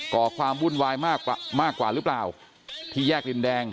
่อความวุ่นวายมากกว่าหรือเปล่าที่แยกดินแดง